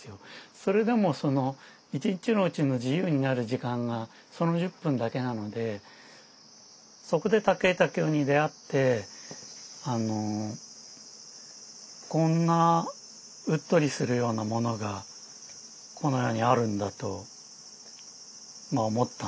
それでも１日のうちの自由になる時間がその１０分だけなのでそこで武井武雄に出会ってこんなうっとりするようなものがこの世にあるんだと思ったんですよね。